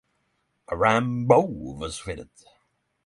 A ram bow was fitted.